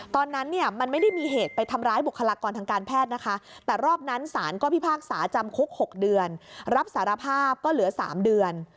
ตอนนั้นเนี่ยมันไม่ได้มีเหตุไปทำร้ายบุคลากรทางการแพทย์นะคะแต่รอบนั้นศาลก็พิพากษาจำคุก๖เดือนรับสารภาพก็เหลือ๓เดือน